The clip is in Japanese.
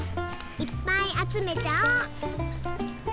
いっぱいあつめちゃお！